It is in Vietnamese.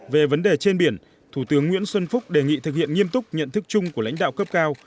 về vấn đề trên biển thủ tướng nguyễn xuân phúc đề nghị thực hiện nghiêm túc nhận thức chung của lãnh đạo cấp cao